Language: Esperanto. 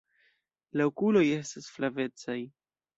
La okuloj estas flavecaj.